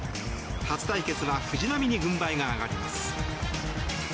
初対決は藤浪に軍配が上がります。